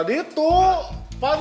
itu tuh pak